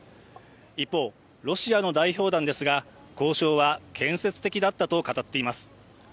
一方、ロシアの代表団ですが交渉は建設的だったと語っています。